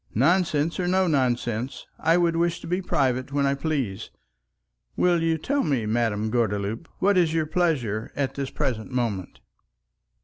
"Nonsense or no nonsense, I would wish to be private when I please. Will you tell me, Madame Gordeloup, what is your pleasure at the present moment?"